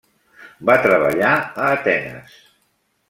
Va treballar a Atenes.